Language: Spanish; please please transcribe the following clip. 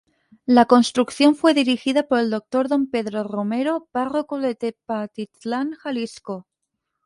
La construcción fue dirigida por el Dr. Don Pedro Romero, Párroco de Tepatitlán, Jalisco.